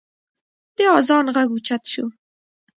د اذان غږ اوچت شو.